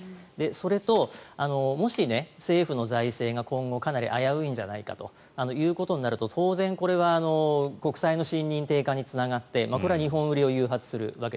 それと、もし、政府の財政が今後かなり危ういんじゃないかとなるとこれは国債の信認低下につながってこれは日本売りを誘発する。